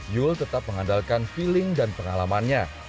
yul tetap mengandalkan feeling dan pengalamannya